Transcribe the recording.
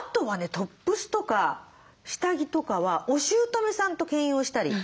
トップスとか下着とかはおしゅうとめさんと兼用したり。